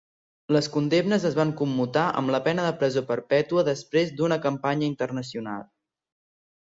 Les condemnes es van commutar amb la pena de presó perpètua després d'una campanya internacional.